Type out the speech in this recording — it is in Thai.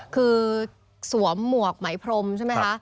คือสวมหมวกไหมพรมใช่ไหมคะ